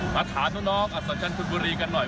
มาถามน้องอัศวินทร์คุณบุรีกันหน่อย